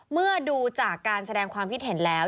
เมื่อดูจากการแสดงความคิดเห็นแล้ว